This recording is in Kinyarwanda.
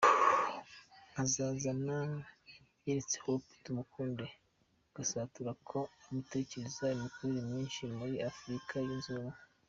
Nkosazana yeretse Hope Tumukunde Gasatura, ko amutezeho imikorere myiza muri Afurika yunze Ubumwe.